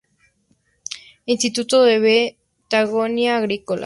Instituto de Botánica Agrícola.